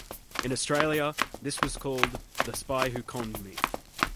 In Australia, this was called "The spy who conned me".